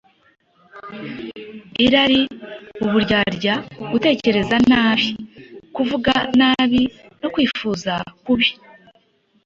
irari, uburyarya, gutekereza nabi, kuvuga nabi no kwifuza kubi,